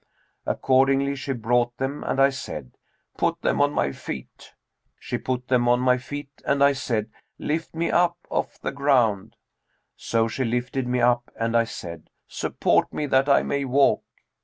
Accordingly, she brought them and I said, 'Put them on my feet.' She put them on my feet and I said, 'Lift me up off the ground.' So she lifted me up and I said, 'Support me, that I may walk.'